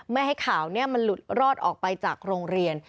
ไม่ให้ข่าวนี้มันหลุดรอดออกไปจากโรงเรียน